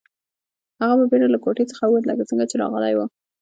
هغه په بیړه له کوټې څخه ووت لکه څنګه چې راغلی و